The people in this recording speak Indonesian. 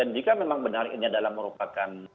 jika memang benar ini adalah merupakan